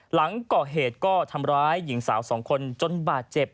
หลังก่อเหตุก็ทำร้ายหญิงสาวสองคนจนบาดเจ็บ